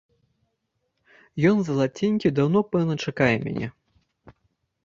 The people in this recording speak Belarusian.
Ён, залаценькі, даўно, пэўна, чакае мяне.